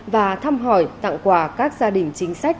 và thăm hỏi tặng quà các gia đình chính sách